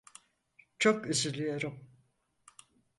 Çok üzülüyorum.